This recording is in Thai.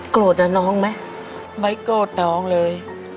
โกรธน้องน้องไหมไม่โกรธน้องเลย